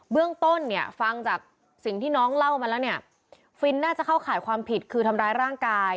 เรื่องต้นเนี่ยฟังจากสิ่งที่น้องเล่ามาแล้วเนี่ยฟินน่าจะเข้าข่ายความผิดคือทำร้ายร่างกาย